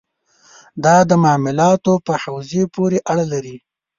دا د معاملاتو په حوزې پورې اړه لري.